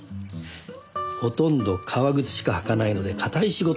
ほとんど革靴しか履かないので堅い仕事だ。